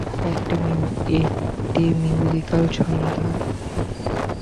একটি মিউজিক্যাল সন্ধ্যার।